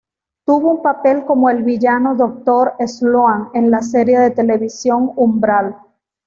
Tuvo un papel como el villano doctor Sloan en la serie de televisión "Umbral".